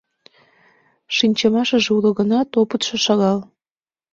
Шинчымашыже уло гынат, опытшо шагал.